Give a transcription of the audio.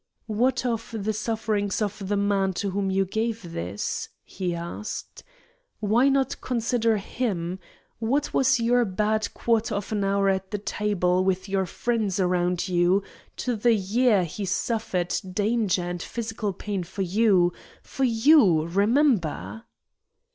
"What of the sufferings of the man to whom you gave this?" he asked. "Why not consider him? What was your bad quarter of an hour at the table, with your friends around you, to the year he suffered danger and physical pain for you for you, remember?"